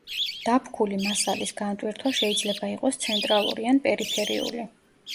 დაფქული მასალის განტვირთვა შეიძლება იყოს ცენტრალური ან პერიფერიული.